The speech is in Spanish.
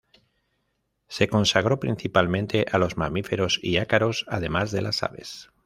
Se consagró principalmente a los mamíferos y ácaros, además de las aves.